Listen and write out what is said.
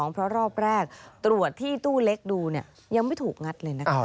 เพราะรอบแรกตรวจที่ตู้เล็กดูยังไม่ถูกงัดเลยนะคะ